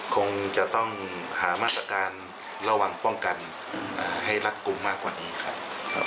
คงจะต้องหามาตรการระวังป้องกันให้รัดกลุ่มมากกว่านี้ครับ